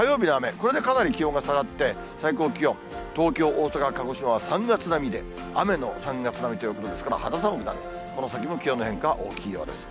これでかなり気温が下がって、最高気温、東京、大阪、鹿児島は３月並みで、雨の３月並みということですから、肌寒くなる、この先も気温の変化は大きいようです。